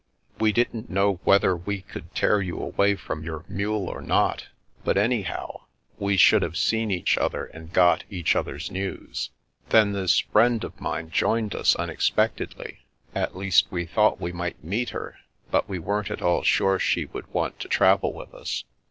We didn't know whether we could tear you away from your mule or not ; but any how, we should have seen each other and got each other's news. Then this friend of mine joined us unexpectedly; at least, we thought we might meet her, but we weren't at all sure she would want to travel with us.